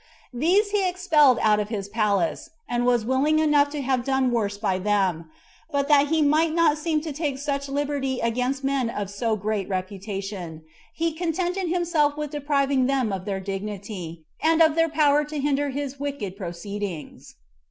These he expelled out of his palace, and was willing enough to have done worse by them; but that he might not seem to take such liberty against men of so great reputation, he contented himself with depriving them of their dignity, and of their power to hinder his wicked proceedings.